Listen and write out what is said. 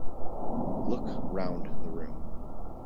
Look round the room.